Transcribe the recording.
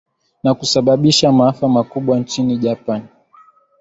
na kusababisha maafa makubwa nchini japan